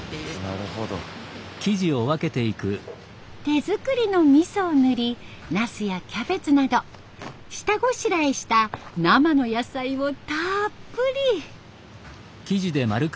手造りの味噌を塗りナスやキャベツなど下ごしらえした生の野菜をたっぷり。